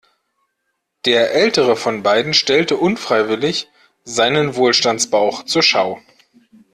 Der ältere von beiden stellte unfreiwillig seinen Wohlstandsbauch zur Schau.